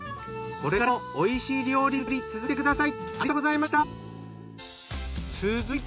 これからもおいしい料理作り続けてください。